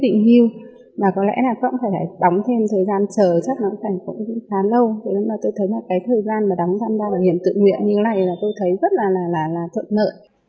vậy nên là tôi thấy là cái thời gian mà đóng tham gia bảo hiểm tự nguyện như thế này là tôi thấy rất là là là thận nợ